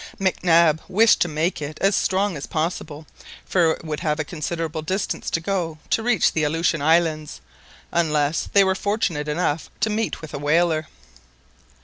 Mac Nab wished to make it as strong as possible, for it would have a considerable distance to go to reach the Aleutian Islands, unless they were fortunate enough to meet with a whaler.